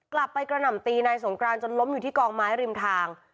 กระหน่ำตีนายสงกรานจนล้มอยู่ที่กองไม้ริมทาง